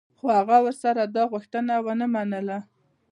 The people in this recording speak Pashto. خو هغه ورسره دا غوښتنه و نه منله.